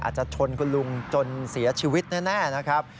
ชนคุณลุงจนเสียชีวิตแน่นะครับ